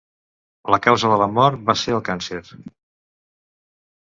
La causa de la mort va ser el càncer.